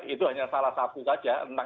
itu hanya salah satu saja